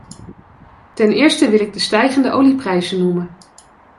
Ten eerste wil ik de stijgende olieprijzen noemen.